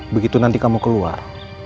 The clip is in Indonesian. begitu nanti kamu keluar